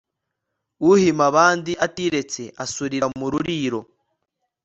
uhima abandi atiretse asurira mu ruriro